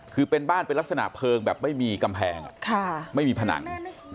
คือเป็นบ้านเป็นลักษณะเพลิงแบบไม่มีกำแพงไม่มีผนัง